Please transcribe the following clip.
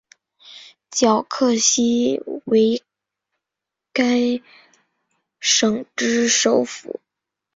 皎克西为该县之首府。